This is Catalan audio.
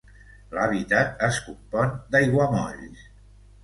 L'hàbitat es compon d'aiguamolls.